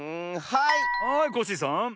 はいコッシーさん。